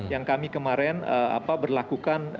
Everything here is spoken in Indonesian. yang kami kemarin berlakukan